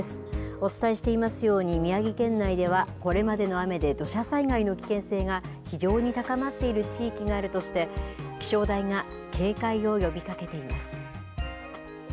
お伝えしていますように、宮城県内ではこれまでの雨で土砂災害の危険性が非常に高まっている地域があるとして、気象台が警戒を呼びかけています。